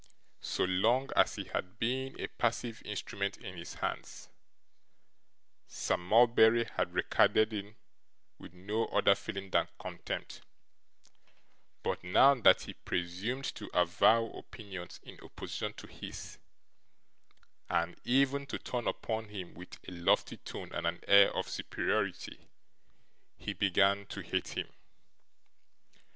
So long as he had been a passive instrument in his hands, Sir Mulberry had regarded him with no other feeling than contempt; but, now that he presumed to avow opinions in opposition to his, and even to turn upon him with a lofty tone and an air of superiority, he began to hate him.